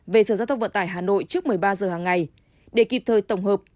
về sở gia tốc vận tải hà nội trước một mươi ba h hàng ngày để kịp thời tổng hợp